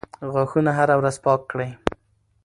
غاښونه هره ورځ پاک کړئ.